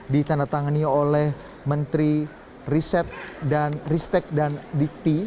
ditandatangani oleh menteri riset dan ristek dan dikti